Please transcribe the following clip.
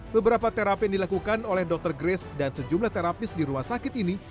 beberapa terapi yang dilakukan oleh dokter grace dan sejumlah terapis di rumah sakit ini